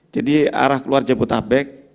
jadi arah keluar jabodabek